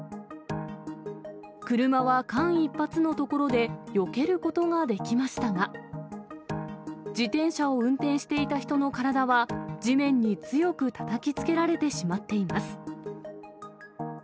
車は間一髪のところでよけることができましたが、自転車を運転していた人の体は、地面に強くたたきつけられてしまっています。